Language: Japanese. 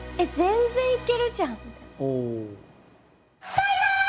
バイバイ！